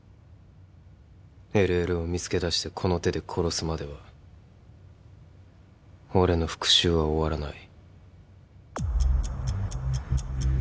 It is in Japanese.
ＬＬを見つけだしてこの手で殺すまでは俺の復讐は終わらない。